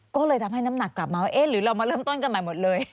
ก็เลยทำให้น้ำหนักกลับมาว่าเอ๊ะหรือเรามาเริ่มต้นกันใหม่หมดเลย